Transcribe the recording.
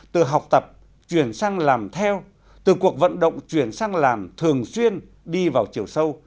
từ học tập chuyển sang làm theo từ cuộc vận động chuyển sang làm thường xuyên đi vào chiều sâu